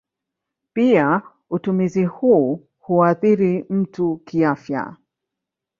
Pia utumizi huu huathiri mtu kiafya.